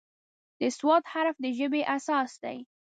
د "ص" حرف د ژبې اساس دی.